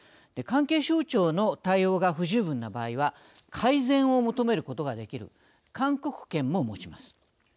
関係省庁の対応が不十分な場合は改善を求めることができる勧告権も持ちます。